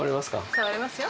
触れますよ。